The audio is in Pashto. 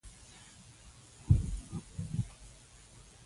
د دنیا ښکلا لنډه ده، خو د آخرت ښکلا ابدي ده.